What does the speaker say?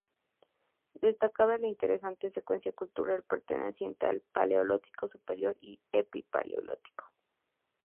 Destaca la interesante secuencia cultural perteneciente al Paleolítico superior y Epipaleolítico.